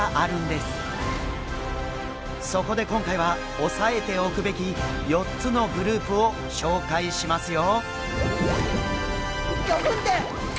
そこで今回は押さえておくべき４つのグループを紹介しますよ！